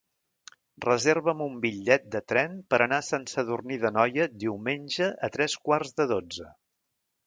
Reserva'm un bitllet de tren per anar a Sant Sadurní d'Anoia diumenge a tres quarts de dotze.